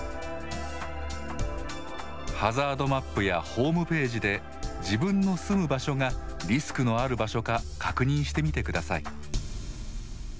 ハザードマップやホームページで自分の住む場所がリスクのある場所か確認してみてください。